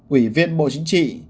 ủy viên bộ chính trị